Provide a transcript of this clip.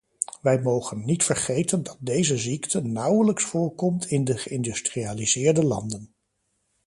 Wij mogen niet vergeten dat deze ziekte nauwelijks voorkomt in de geïndustrialiseerde landen.